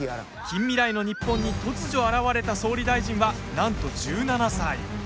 近未来の日本に突如、現れた総理大臣はなんと１７歳。